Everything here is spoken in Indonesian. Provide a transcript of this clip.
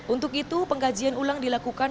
untuk itu pengkajian ulang dilakukan